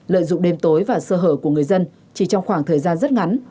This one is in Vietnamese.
lợi dụng đêm tối và sơ hở của người dân chỉ trong khoảng thời gian rất ngắn